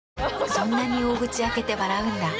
そんなに大口開けて笑うんだ。